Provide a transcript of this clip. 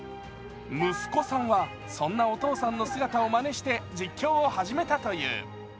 息子さんは、そんなお父さんの姿をまねして実況を始めたという。